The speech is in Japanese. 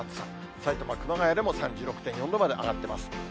埼玉・熊谷でも３６．４度まで上がってます。